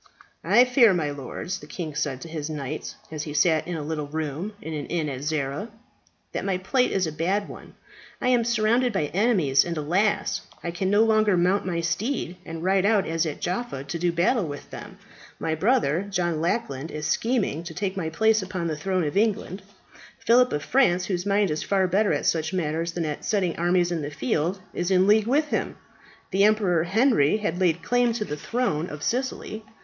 "I fear, my lords," the king said to his knights as he sat in a little room in an inn at Zara, "that my plight is a bad one. I am surrounded by enemies, and, alas! I can no longer mount my steed and ride out as at Jaffa to do battle with them. My brother, John Lackland, is scheming to take my place upon the throne of England. Philip of France, whose mind is far better at such matters than at setting armies in the field, is in league with him. The Emperor Henry has laid claim to the throne of Sicily.